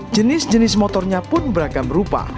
jenis jenis motornya pun beragam rupa